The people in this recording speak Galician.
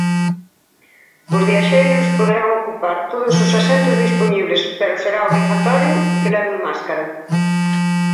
Os viaxeiros poderán ocupar todos os asentos dispoñibles pero será obrigatorio que leven máscara.